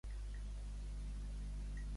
Com es va posicionar Ínac?